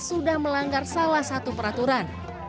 sudah melanggar salah satu peraturan